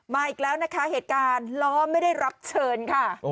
อีกแล้วนะคะเหตุการณ์ล้อไม่ได้รับเชิญค่ะ